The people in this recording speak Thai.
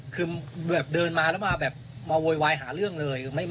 คือแบบเดินมาแล้วมาแบบมาโวยวายหาเรื่องเลย